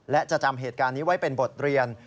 และจะจำเหตุการณ์นี้ไว้เป็นบทเรียน